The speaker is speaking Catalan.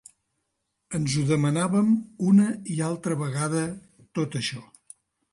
Ens ho demanàvem una i altra vegada, tot això.